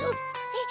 えっ？